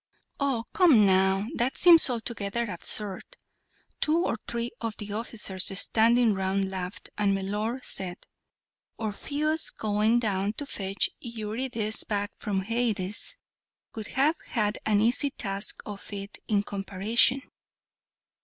"Oh, come now, that seems altogether absurd," two or three of the officers standing round laughed, and Mellor said, "Orpheus going down to fetch Eurydice back from Hades would have had an easy task of it in comparison."